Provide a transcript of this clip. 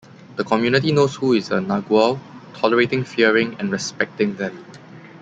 The community knows who is a "nagual", tolerating, fearing and respecting them.